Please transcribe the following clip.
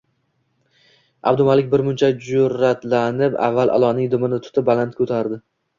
Abdumalik bir muncha jur`atlanib, avval ilonning dumidan tutib, baland ko`tardi